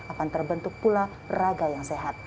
akan terbentuk pula raga yang sehat